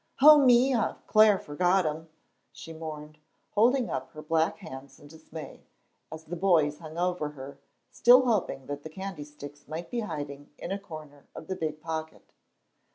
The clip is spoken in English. "Oh, me, I've clar forgot 'em," she mourned, holding up her black hands in dismay, as the boys hung over her, still hoping that the candy sticks might be hiding in a corner of the big pocket.